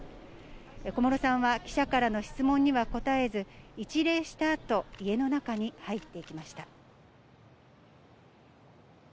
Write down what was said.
小室さんは記者からの質問には答えず、一礼したあと、家の中に入っていきました。